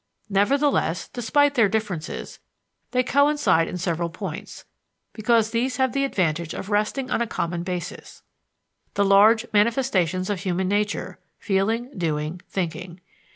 Nevertheless, despite their differences, they coincide in several points, because these have the advantage of resting on a common basis the large manifestations of human nature, feeling, doing, thinking.